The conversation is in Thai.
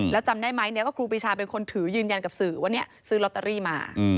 แล้วจำได้ไหมก็ครูปีชาเป็นคนถือยืนยันกับสื่อว่าซื้อลอตเตอรี่มา